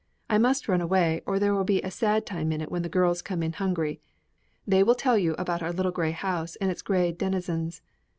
I must run away, or there will be a sad time in it when the girls come in hungry. They will tell you about our little grey house and its Grey denizens.